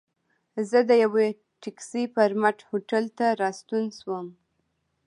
زه د یوه ټکسي پر مټ هوټل ته راستون شوم.